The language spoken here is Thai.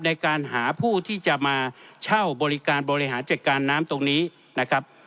ในการหาผู้ที่จะมาเช่าบริการบริหารจัดการน้ำตรงนี้นะครับ